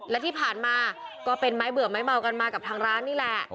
และที่ผ่านมาก็เป็นไม้เบื่อไม้เมากันมากับทางร้านนี่แหละ